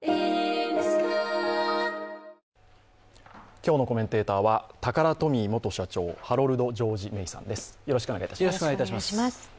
今日のコメンテーターはタカラトミー元社長、ハロルド・ジョージ・メイさんです。